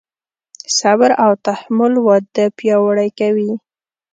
صبر او تحمل واده پیاوړی کوي.